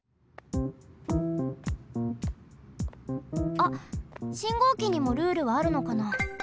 あっ信号機にもルールはあるのかな？